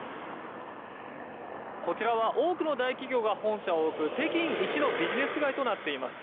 こちらは多くの大企業が本社を置く北京一のビジネス街となっています。